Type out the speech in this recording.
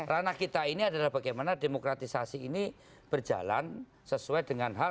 ranah kita ini adalah bagaimana demokratisasi ini berjalan sesuai dengan hal